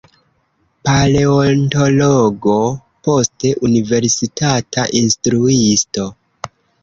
Paleontologo, poste universitata instruisto.